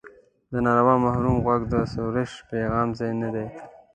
د ناروا محرم غوږ د سروش پیغام ځای نه دی.